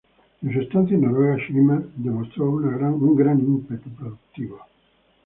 En su estancia en Noruega, Schirmer demostró un gran ímpetu productivo.